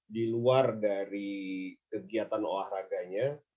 di luar dari kegiatan olahraganya